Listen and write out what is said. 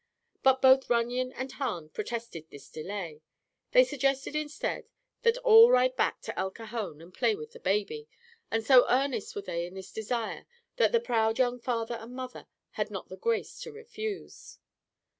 But both Runyon and Hahn protested this delay. They suggested, instead, that all ride back to El Cajon and play with the baby, and so earnest were they in this desire that the proud young father and mother had not the grace to refuse.